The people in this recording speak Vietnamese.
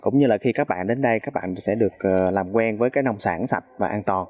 cũng như là khi các bạn đến đây các bạn sẽ được làm quen với cái nông sản sạch và an toàn